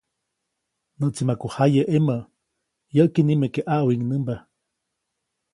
Näʼtsi maku jaye ʼemä, yäʼki nimeke ʼaʼwiŋnämba.